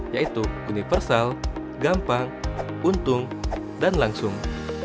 yaitu universal gampang untung dan langsung